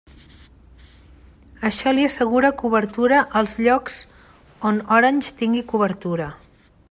Això li assegura cobertura als llocs on Orange tingui cobertura.